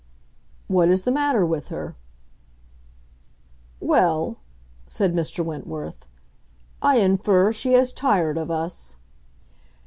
"What is the matter with her?" "Well," said Mr. Wentworth, "I infer she has tired of us."